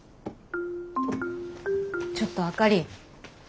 ちょっとあかり。